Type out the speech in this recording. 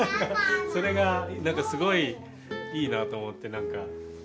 それがすごいいいなと思って何か。